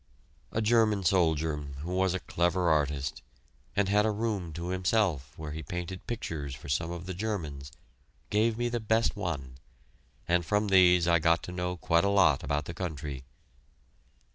A Canadian soldier, who was a clever artist, and had a room to himself where he painted pictures for some of the Germans, gave me the best one, and from these I got to know quite a lot about the country.